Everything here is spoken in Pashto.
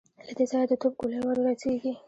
له دې ځايه د توپ ګولۍ ور رسېږي.